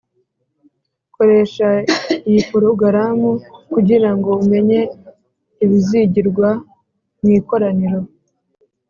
Koresha iyi porogaramu kugira ngo umenye ibizigirwa mu ikoraniro